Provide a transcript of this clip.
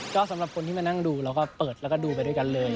ก็สำหรับคนที่มานั่งดูเราก็เปิดแล้วก็ดูไปด้วยกันเลย